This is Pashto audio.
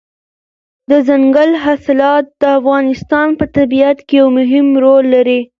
دځنګل حاصلات د افغانستان په طبیعت کې یو مهم رول لري.